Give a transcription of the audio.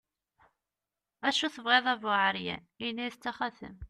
acu tebɣiḍ a bu ɛeryan, yenna-as d taxatemt